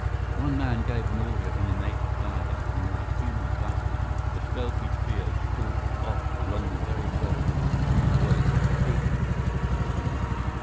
One man gave an order in a native dialect and like human bloodhounds, the stealthy trio stalked off along the very road that the three boys had taken!